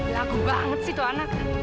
lagu banget sih tuh anak